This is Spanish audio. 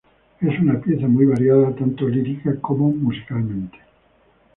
Es una pieza muy variada tanto lírica como musicalmente.